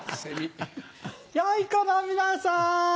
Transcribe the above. よい子の皆さん。